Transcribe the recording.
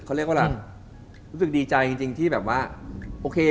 เขาเรียกว่ารู้สึกดีใจจริงที่แบบว่าโอเค